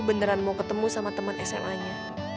beneran mau ketemu sama teman sma nya